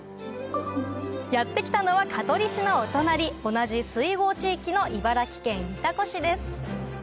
やって来たのは香取市のお隣同じ水郷地域の茨城県潮来市です